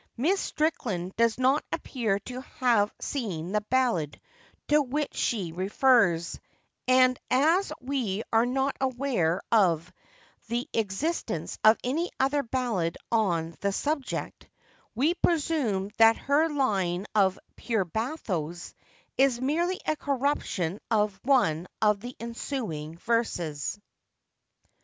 Miss Strickland does not appear to have seen the ballad to which she refers; and as we are not aware of the existence of any other ballad on the subject, we presume that her line of 'pure bathos' is merely a corruption of one of the ensuing verses.